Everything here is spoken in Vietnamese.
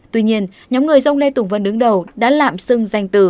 tuy nhiên nhóm người dòng lê tùng vân đứng đầu đã lạm xưng danh từ